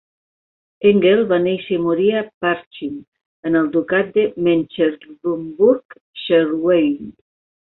Engel va néixer i morir a Parchim, en el ducat de Mecklenburg-Schwerin.